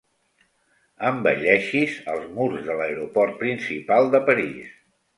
Embelleixis els murs de l'aeroport principal de París.